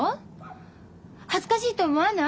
恥ずかしいと思わない？